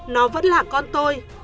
nó vẫn là con tôi